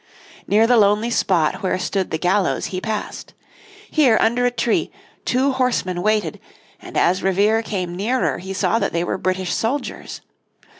Near the lonely spot where stood the gallows he passed. Here under a tree, two horsemen waited, and as Revere came nearer he saw that they were British soldiers.